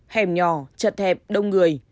hẻm nhỏ chật hẹp đông người